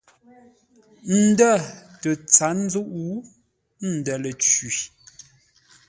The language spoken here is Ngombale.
Ndə̂ tə tsát nzúʼú, ndə̂ ləcwî.